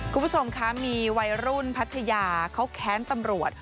คุณผู้ชมคะมีวัยรุ่นพัทยาเขาแค้นตำรวจ